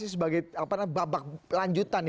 ini sebagai babak lanjutan